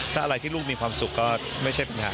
ถ้าอะไรที่ลูกมีความสุขก็ไม่ใช่ปัญหา